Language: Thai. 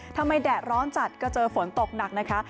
แดดร้อนจัดก็เจอฝนตกหนักนะคะ